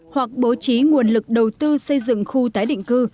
hoặc bố trí nguồn lực đầu tư xây dựng khu tái định cư